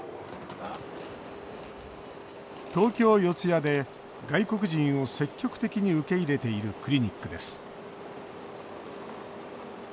東京・四谷で外国人を積極的に受け入れているクリニックです。